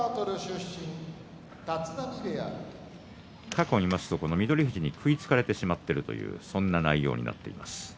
過去を見ますと翠富士に食いつかれてしまっているというそんな内容です。